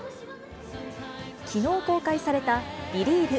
きのう公開された、ビリーヴ！